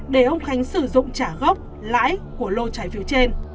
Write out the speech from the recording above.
để ông khánh sử dụng trả gốc lãi của lô trái phiếu trên